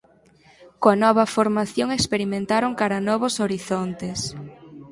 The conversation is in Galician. Coa nova formación experimentaron cara novos horizontes.